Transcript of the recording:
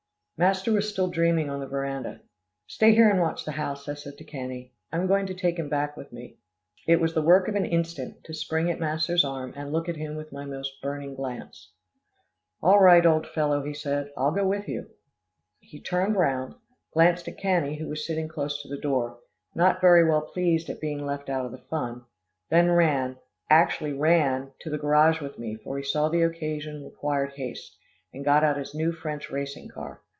Master was still dreaming on the veranda. "Stay here and watch the house," I said to Cannie, "I'm going to take him back with me." It was the work of an instant, to spring at master's arm and look at him with my most burning glance. "All right, old fellow," he said; "I'll go with you." He turned round, glanced at Cannie who was sitting close to the door, not very well pleased at being left out of the fun, then ran, actually ran, to the garage with me, for he saw the occasion required haste, and got out his new French racing car.